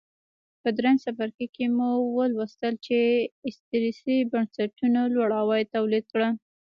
په درېیم څپرکي کې مو ولوستل چې استثري بنسټونو لوړ عواید تولید کړل